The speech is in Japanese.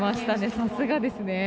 さすがですね。